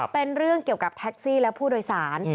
เป็นเรื่องเกี่ยวกับแท็กซี่และผู้โดยสาร